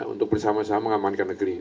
untuk bersama sama mengamankan negeri